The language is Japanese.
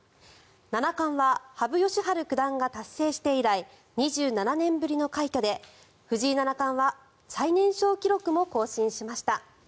七冠は羽生善治九段が達成して以来２７年ぶりの快挙で藤井七冠は最年少記録も更新しました。